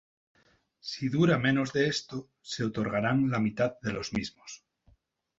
Si dura menos de esto, se otorgarán la mitad de los mismos.